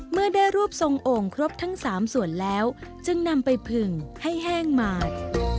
เมื่อได้รูปทรงโอ่งครบทั้ง๓ส่วนแล้วจึงนำไปผึ่งให้แห้งหมาด